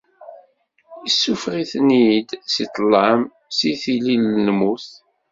Issuffeɣ-iten-id si ṭṭlam, si tili n lmut.